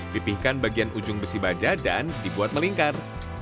pipihkan bagian ujung besi baja dan dibuat melingkar